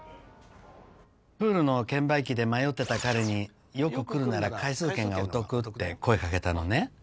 プールの券売機で迷ってた彼によく来るなら回数券がお得って声かけたのね